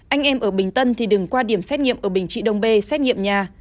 anh em ở bình tân thì đừng qua điểm xét nghiệm ở bình trị đông bê xét nghiệm nhà